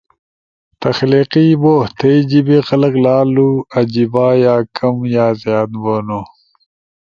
تخلیقی بو۔، تھئی جیبے خلق لالو عیجنا یا کم یا زیاد بونو۔